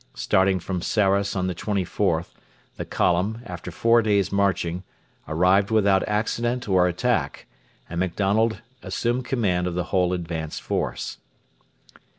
Starting from Sarras on the 24th, the column, after four days' marching, arrived without accident or attack, and MacDonald assumed command of the whole advanced force.